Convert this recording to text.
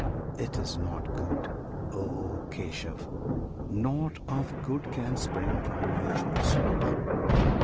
It is not good, O Keshav! nought of good Can spring from mutual slaughter!